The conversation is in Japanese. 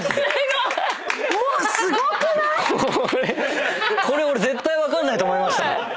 もうすごくない⁉これ俺絶対分かんないと思いました。